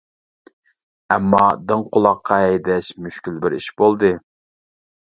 ئەمما، دىڭ قۇلاققا ھەيدەش مۈشكۈل بىر ئىش بولدى.